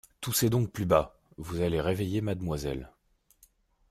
Toussez donc plus bas !… vous allez réveiller Mademoiselle…